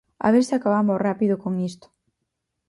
A ver se acabamos rápido con isto.